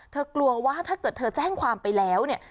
กลัวว่าถ้าเกิดเธอแจ้งความไปแล้วเนี่ย